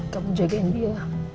kamu jagain dia